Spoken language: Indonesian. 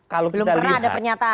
kalau kita lihat